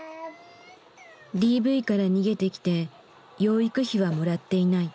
ＤＶから逃げてきて養育費はもらっていない。